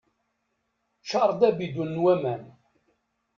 Ččar-d abidun n waman.